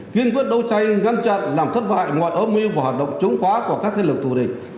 kiên quyết đấu tranh ngăn chặn làm thất bại mọi âm mưu và hoạt động chống phá của các thế lực thù địch